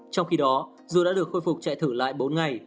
trong khi đó dù đã được khôi phục chạy thử lại bốn ngày